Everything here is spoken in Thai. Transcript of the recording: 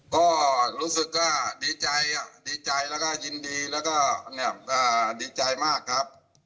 ก็รู้สึกว่าดีใจดีใจแล้วก็ยินดีแล้วก็ดีใจมากครับ